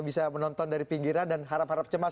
bisa menonton dari pinggiran dan harap harap cemas